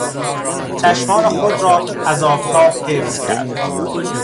چشمان خود را از آفتاب حفظ کرد.